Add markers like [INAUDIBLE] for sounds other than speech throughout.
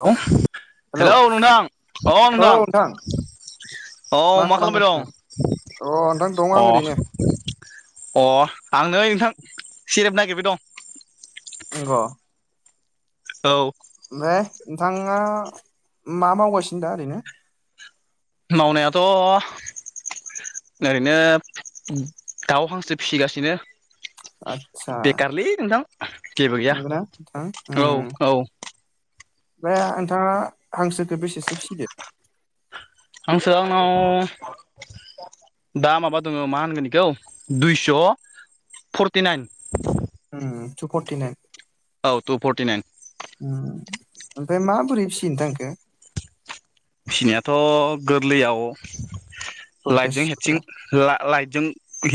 औ hello hello नोंथां औ नोंथां। अ मा खालामबाय दं? अ नोंथां दं आं अ ओरैनो अ आं नै नोंथां सेरेप नागिरबाय दं। नंगौ। औ। ओमफ्राय नोंथाङा मा मावगासिनो दा ओरैनो। मावनायाथ' ओरैनो दाउ हांसो फिसिगासिनो। आतसा लै नोंथां जेबो गैया नंगौ ना नोंथां औ उम औ बे नोंथाङा हांसोखौ बेसेसो फिसिदो। हांसोया आंनाव दा माबा दङ मा होनगोन बेखौ दुइस' फर्टिनाइन। ओम टु फर्टि नाइन औ टु फरटि नाइन ओमफ्राय माबोरै फिसियो नोंथां इखो। फिनायाथ' गोरलैयाव लाइटजों हेबसिं प्रसेसफोरा ला लाइटजों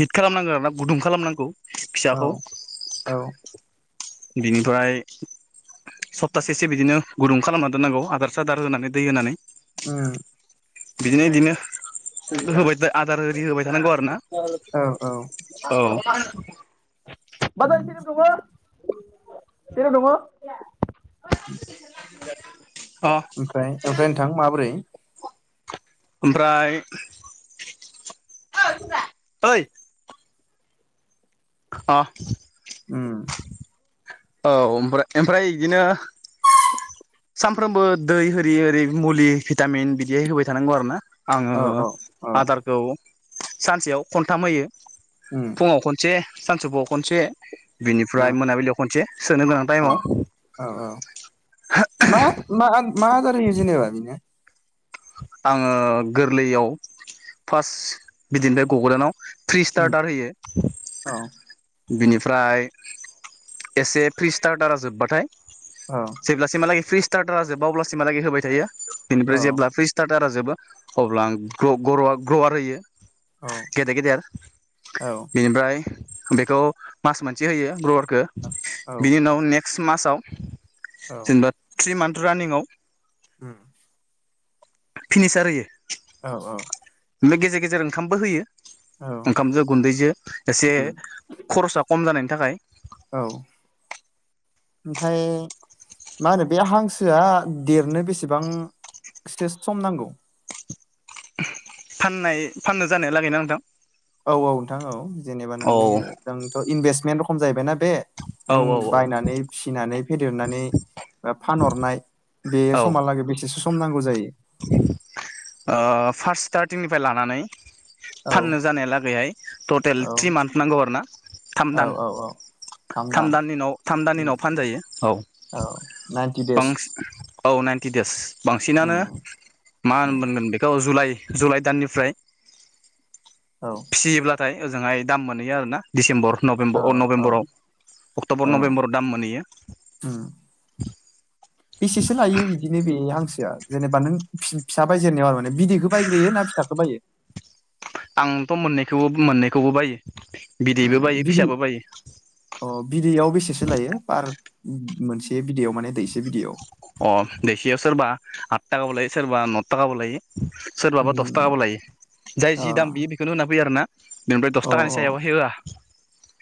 हिट खालामनांगौ आरोना गुदुं खालामनांगौ। औ फिसाखौ औ। बिनिफ्राय सप्तासेसो बिदिनो गुदुं खालामना दोननांगौ आदार सादार होनानै दै होनानै। ओ। बिदिनो बिदिनो होबाय आदार आररि होबाय थानांगौ आरो ना। औ औ उम औ [UNINTELLIGIBLE] [UNINTELLIGIBLE] [INAUDIBLE] ओ। ओमफ्राय ओमफ्राय नोंथां माबोरै? ओमफ्राय ओइ अ उम ओम ओमफ्राय बिदिनो सानफ्रोमबो दै होरि ओरै मुलि भिटामिन बिदि होबाय थानांगौ आरोना। औ आङो औ औ आदारखौ सानसेयाव खनथाम होयो। उम फुङाव खनसे सानसौफुआव खनसे ओ बिनिफ्राय मोनाबिलियाव खनसे सोनो गोनां औ टाइमाव, औ औ मा मा मा आदारहोयो जेनेबा बेनो? आङो गोरलैयाव फार्स्ट बिदिनिफ्राय गगदानाव फ्रि उम स्टार्टार होयो। औ, बिनिफ्राय एसे फ्रि स्टार्टारा जोब्बाथाय, औ, जेब्लासिमहालागै फ्रि स्टारा जोबा अब्लासिमहालागै होबाय थायो औ बेनिफ्राय जेब्ला फ्रि स्टार्टारा जोबो अब्ला आं ग्र-ग्रवार होयो। औ गेदेर गेदेर आरो औ बेनिफ्राय बेखौ मास मोनसे होयो ग्रवारखौ। बिनि औ उनाव नेक्स्ट मासाव जेनेबा थ्रि मान्थ रानिंआव हम। फिनिसार होयो। औ औ। बे गेजेर गेजेर ओंखामबो होयो औ ओंखामजों गुन्दैजों एसे उम खरसा खम जानायनि थाखाय। औ ओमफ्राय मा होनो बे हांसोआ देरनो बेसेबांसो सम नांगौ। फाननाय फाननो जानाया लागैना नोंथां? औ औ नोंथां औ जेनेबा औ नोंनि नोंथ' इनभेस्टमेन्ट रखम जाहैबायना बे। औ नों औ औ बायनानै फिसिनानै फेदेरनानै फानहरनाय बे औ समहालागै बेसेसो सम नांगौ जायो? फार्स्ट स्टार्टिंनिफ्राय लानानै औ फाननो जानायलागैहाय टटेल औ थ्रि मान्थ नांगौ आरोना, थाम औ दान। औ औ थाम दाननिनाव थाम दाननि उम उनाव फानजायो औ। औ, नाइनटि देस बांसि औ नाइन्टि देस, बांसिनानो उम मा होन उम मोनगोन बेखौ जुलाइ जुलाइ दाननिफ्राय औ, फिसियोब्लाथाय ओजोंहाय दाम मोनहैयो आरोना। दिडिसेम्बर औ नभेमबर औ नभेम्बराव औ अक्ट'बर नभेम्बराव दाम मोनहैयो। बेसेसो लायो बिदिनो बे हांसोआ जेनेबा नों फिसा बायजेरनायाव आरो माने बिदैखौ बायग्रोयो ना फिसाखौ बायो आंथ' मोननैखौबो मोननैखौबो बायो ओ बिदैबो बायो बिदै फिसाबो बायो अ बिदैयाव बेसेसो लायो पार मोनसे बिदैयाव माने दैसे बिदैयाव अ देखियाव सोरबा आत थाखाबो लायो सोरबा न' थाखाबो लायो सोरबाबा दस उम थाखाबो लायो जाय अ जि दाम बियो बेखौनो होनना फैयो आरोना बेनिफ्राय दस थाखानि सायावाबबो होआ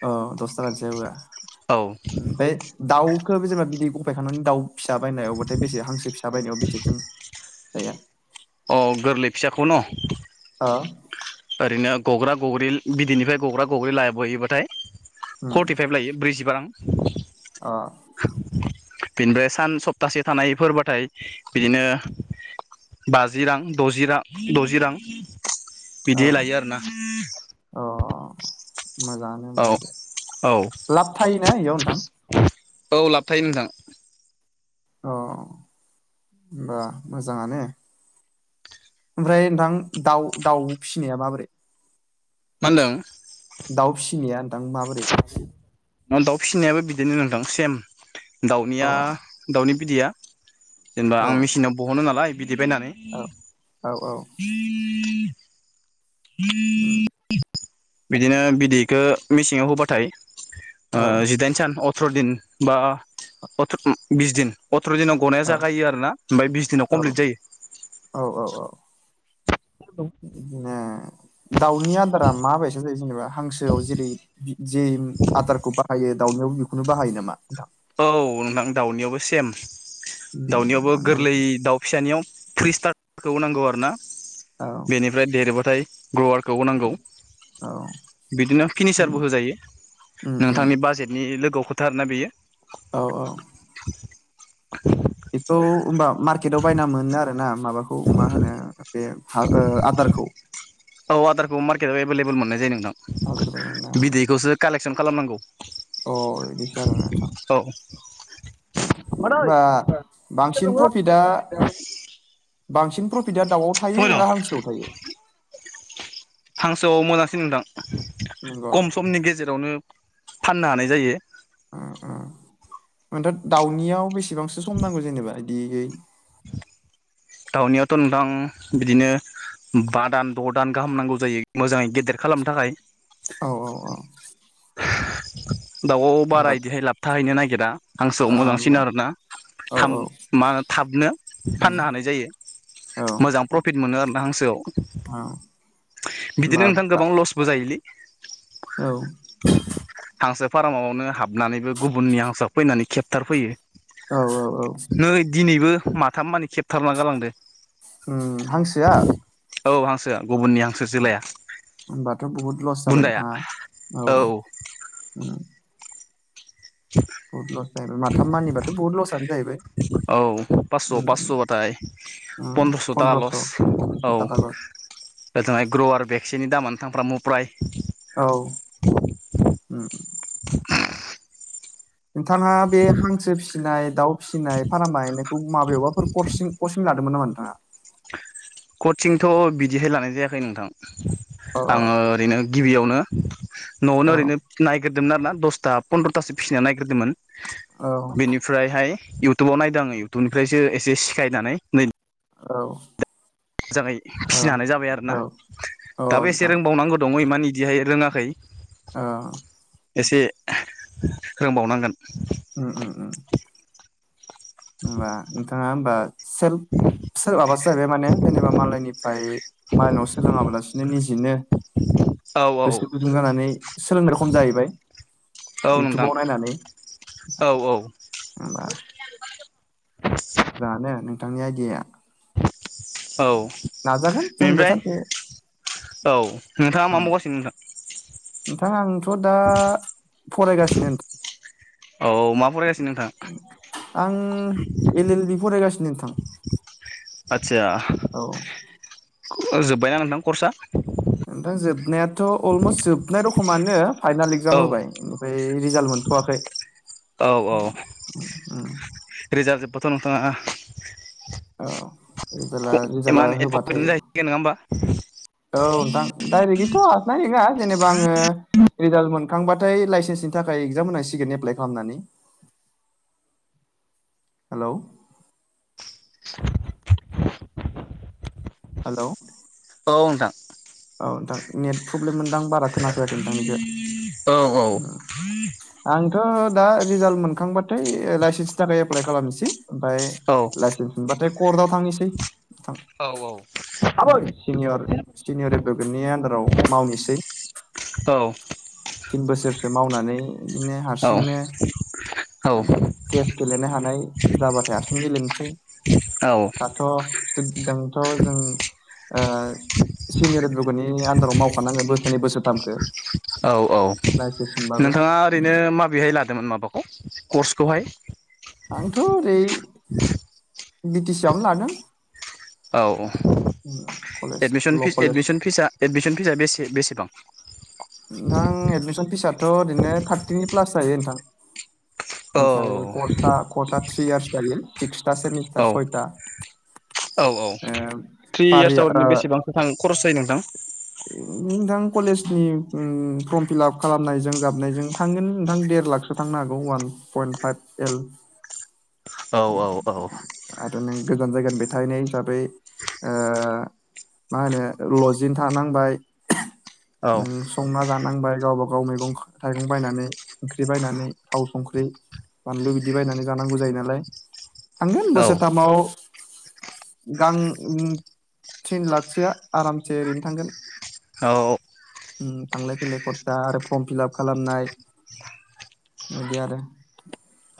अ दस थाखानि सायाव होआ औ ओमफ्राय दाउखो जेनेबा बिदै गफायखांनानै दाउ फिसा बायनायाव बाथाय बेसे हांसो फिसा बायनायाव बेसेथो गैया अ गोरलै फिसाखौ न' आ ओरैनो गग्रा गग्रि बिदैनिफ्राय गग्रा गग्रि लायबोयोबाथाय उम फर्टिफाइभ लायो ब्रैजिबा रां आ बिनिफ्राय सान सप्तासे थानायफोरबाथाय बिदिनो बाजि रां दजि रां द'जि रां औ बिदि लायो आरोना अ मोजाङानो औ बदि औ लाब थायोना बेयाव नोंथां औ लाबथायायो नोंथां अ होनबा मोजाङानो ओमफ्राय नोंथां दा दाउ फिसिनाया माबोरै मा होनदों दाउ फिसिनाया नथां माबोरै दाउ फिसिनायाबो बिदिनो नोंथां सेम अ दाउनिया दाउनि बिदैया जेनेबा औ आं मेसििनाव बहनो नालाय बिदिै बायनानै औ औ औ [INAUDIBLE] उम बिदिनो बिदैखौ मेसेङाव होबाथाय औ जिदाइन सान अथ्र' दिन बा बिस दिन अथ्र' दिनाव गनाया औ जाखायो आरोना ओमफ्राय बिस दिनाव औ कमप्लिट जायो औ औ औ बिदिनो दाउनि आदारा माबायदि जायो जेनेबा हांसो गोसोआव जेरै जे आदारखौ बाहायो दाउनायाव बेखौनो बाहायो नामा नोंथां औ नोंथां दाउनियावबो सेम उम दाउनियावबो दानियाबो गोरलै दाउ फिसानियाव थ्रि स्टारारखौ नांगौ आरो ना आरो बेनिफ्राय देरबथाय ग्रवारखौांगौ औ बिदिनो फिनिसारबो होजायो उम उम नोंथांनि बाजेट नि लोगोआव खोथा आर ना बेयो औ औ [INAUDIBLE] बेखौ होनोमबा मार्केटाव बायना मोनो आरो ना माबाखौ मा होनो बे आदारखौ औ आदारखौ मार्केटाव एभेलेबल मोननाय जायो नोंथां बिदैखौसो कालेकसन खालामनांगौ अ बिदिसो आरो नथां औ होमबा बांसिन प्रफिटआ बांसिन प्रफिटआ दाउआव थायो फैर' ना हांसोआव थायो हांसोआव मोनसिै नोंदां नंगौ खम समनि गेजेराव गेजेरावनो फाननो हानाय जायो नथा दाउनियाव बेसेबांसो सम नांगौ जेनेबा बिदियै दाउनियाथ' नोंथां बिदिनो बा दान द' दान गाहाम नांगौ जायो मोजाङै गेदेर खालामनो थाखाय औ औ औ दाउआव बारा होमबा बिदिहाय लाब थाहैनो नागिरा हांसोआव औ मोजांसिन होमबा आरोना थ औ औ मा होनो थाबनो उम फाननो हानाय जायो औ मोजां प्रफिट मोनो आरोना हांसोआव औ होमबा बिदिनो नोंथां दा गोबां लसबो जायोलै औ हांसो फार्मआवनो हाबनानैबो गुबुननि हांसोआव फैनानै खेबथारफैयो औ औ औ नै दिनैबो माथाम मानि खेबथारना गालांदों उम हांसोआ औ हांसोआ गुबुननि हांसो जोलाया होमबाथ' बुहुद लस जाबाय बुन्दाया नोंथाङा औ बुहुत लस जाहैबाय माथाम मानिबाथ' बुहुद लसआ जाहैबाय औ पास्स' उम पास्स' बाथाय उम पन्द्रस' थाखा लस पन्द्रस' औ थाखा लस ओजोंहाय ग्रवार बेेक्सिनि दामानो थांफ्रामो फ्राय औ नोंथाङा बे हांसो फिसिनाय दाउ फिसिनाय फार्म बाहायनायखौ माबेबाफोर कचिं लादों मोन नामा नोंथांङा कचिंथ' बिदिहाय लानाय जायाखै नोंथां औ आङो ओरैनो गिबियावनो न'आवनो औ ओरैनो नायग्रोदोंमोन आरो ना दसथा फन्द्रथासो फिसिनो नायग्रोदोंमोन औ बेनि फ्रायहाय इउटुबाव नायदों आङो इउटुबनिफ्रायसो एसे सिखायनानै नै औ मोजाङै फिसिनो हानाय जाबाय औ आरोना औ दाबो एसे नोंथां रोंबावनांगौ दङमानि बिदिहाय रोङाखै अ' एसे रोंबावनांगोन उम उम उम होमबा नोंथाङा होमबा सोरहाबा सोरहाबासो जाहैबाय माने जेनेबा मालायनिफ्राय मालायनाव सोलोङाबालासि नों निजिनो औ औ गोसो गुदुं जानानै सोलोंनाय खम जाहैबाय औ नोंथां इउटुबाव नायनानै औ औ बा मोजाङानो नोंथांनि आयदियाया औ नाजागोन जोंबो बेनिफ्राय सानसे औ नोंथाङा मा मावगासिनो नोंथां नोंथां आंथ' दा फरायगासिनो नोंथां औ मा फरायगासिनो नोंथां आं एल एल बि फरायगासिनो नोंथां आतसा औ जोब्बायना नोंथां कर्सआ नोंथां जोबनायाथ' अलमस्ट जोबनाय रोखोमानो फाइनाल औ एक्जाम होबाय ओमफ्राय रिजाल्ट मोनथ'वाखै औ औ उम रिजाल्ट जोब्बाथ' नोंथाङा औ रि मा रिजाल्टआ होनो एम्फौ होबाथाय बेनो जाहैसिगोन नङा होमबा? औ नोंथां डाइरेक्टलिथ' हबनाय नङा जेनेबा आङो रिजाल्ट मोनखांबाथाय लाइसेन्सनि थाखाय एगजाम होनांसिगोन एप्लाइ खालामनानै हेल हेल औ नोंथां औ नोंथां नेट प्रब्लेम मोनदां बारा खोनाफैआखै औ औ नोंथांनिखौ आंथ दा रिजाल्ट मोनखांबाथाय इ लाइसेन्सनि थाखाय एप्लााय खालामनोसै ओमफ्राय औ मोनबाथाय कर्टआव थांनोसै थां ओम आबै सिनियर रेबकेटनि आन्दाराव मावनोसै औ थिन बोसोरसो मावनानै बिदिनो हारसिंनो केस गेलेनो हानाय जाबाथाय हारसिं गेलेनोसै औ जोंथ जों ओ सिनियर लोगोनि नि आन्दाराव मावफानांगोन बोसोरनै बोसोरथामसो औ औ नोंथाङा ओरैनो माबेहाय लादों मोन माबाखौ कर्सखौहाय आंथ ओरै बिटि सि आवनो लादों औऔ कलेज एडमिसन ल' फिस कलेज एडमिसन फिसा एडमिसन फिसा बेसे बेसे बेसेबां नोंथां एडमिसन फिसाथ ओरैनो थार्टिनि प्लास जायो नोंथां। औ ओमफ्राय कर्सआ कर्सआ थ्रि इयार्स जायोल सिक्सथा सेमिस औ औ औ थ्रि पारि इयार्सआव ओरैनो बेसेबां बेसां खरस जायो नोंथां? उम नोंथां कलेजनि ओ फ्रम फिल आप खालामनायजों जाबनायजों थांगोन नोंथां देर लाखसो थांनो हागौ अवान पइन्ट फाइभ एल औ औ औ आरो नों गोजान जायगानिफाय थाहैनाय हिसाबै ओ मा होनो लजिं थानांबाय औ नों संना जानांबाय गावबा गाव मैगं-थाइगं बायनानै ओंख्रि बायनानै थाव, संख्रि, बानलु बिदि बायनानै जानांगौ जायो नालाय थांगोन औ बोसोरथामाव गां उम थिन लाखसोआ आरामसे ओरैनो थांगोन। औ उम थांलाय-फैलाय खरसा आरो फ्रम फिल आप खालामनाय बिदि आरो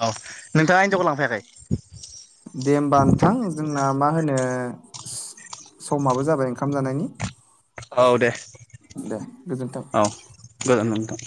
औ नोंथाङा हिनजावखौ लांफैयाखै? दे हबा नोंथां जोंना मा होनो समाबो जाबाय ओंखाम जानायनि औ दे दे गोजोन्थों औ गोजोनथों नोंथां।